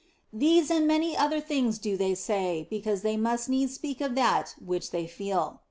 These and many other things do they say, because they must needs speak of that which they feel.